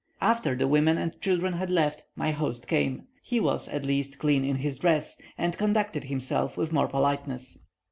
After the women and children had left, my host came. He was, at least, clean in his dress, and conducted himself with more politeness.